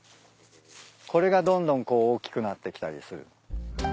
これがどんどんこう大きくなってきたりする。